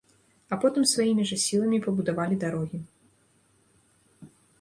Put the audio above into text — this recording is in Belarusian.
А потым сваімі жа сіламі пабудавалі дарогі.